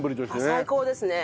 最高ですね。